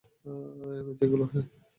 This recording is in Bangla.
বেঁচে গেলো, এহ?